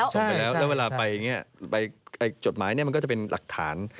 จดหมายเนี่ยมันก็อยากจะเป็นหลักฐาน